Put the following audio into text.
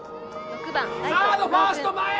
サードファースト前へ！